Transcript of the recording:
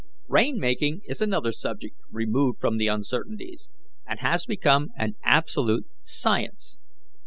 "Rain making is another subject removed from the uncertainties, and has become an absolute science.